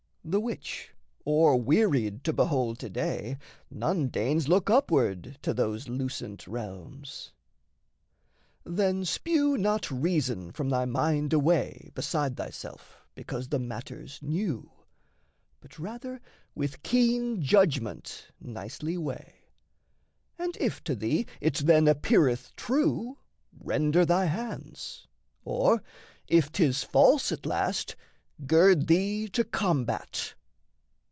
The which o'erwearied to behold, to day None deigns look upward to those lucent realms. Then, spew not reason from thy mind away, Beside thyself because the matter's new, But rather with keen judgment nicely weigh; And if to thee it then appeareth true, Render thy hands, or, if 'tis false at last, Gird thee to combat.